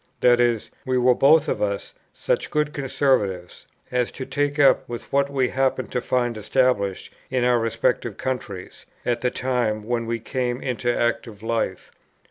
That is, we were both of us such good conservatives, as to take up with what we happened to find established in our respective countries, at the time when we came into active life.